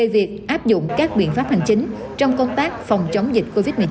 việc áp dụng các biện pháp hành chính trong công tác phòng chống dịch covid một mươi chín